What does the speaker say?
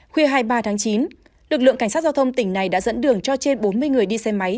khuya hai mươi ba tháng chín lực lượng cảnh sát giao thông tỉnh này đã dẫn đường cho trên bốn mươi người đi xe máy